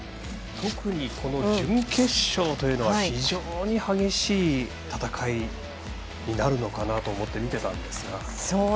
特に準決勝というのは非常に激しい戦いになるのかなと思って、見てたんですが。